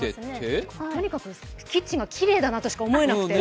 とにかくキッチンがきれいだなとしか思えなくて。